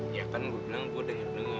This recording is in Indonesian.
dia kan gue bilang gue denger denger